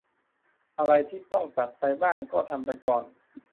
อะไรที่ต้องตัดไปบ้างก็ทำไปก่อน